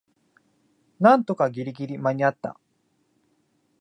なんとかギリギリ間にあった